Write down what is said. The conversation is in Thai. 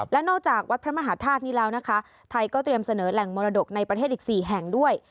และนอกจากวัดพระมหาธาตุนี้แล้วนะคะไทยก็เตรียมเสนอแหล่งมรดกในประเทศอีก๔แห่งด้วย